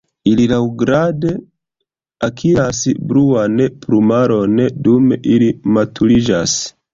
Ili laŭgrade akiras bluan plumaron dum ili maturiĝas.